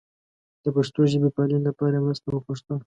د پښتو ژبې پالنې لپاره یې مرسته وغوښتله.